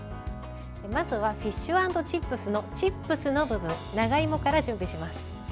まずはフィッシュ＆チップスのチップスの部分長芋から準備します。